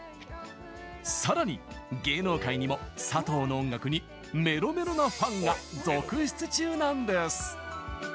さらに、芸能界にもさとうの音楽にメロメロなファンが続出中なんです！